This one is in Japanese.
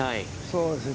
そうですね。